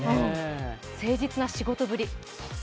誠実な仕事ぶり。